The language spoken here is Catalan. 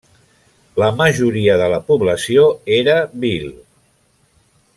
La majoria de la població era bhil.